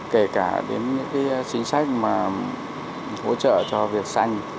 kể cả đến những chính sách mà hỗ trợ cho việc xanh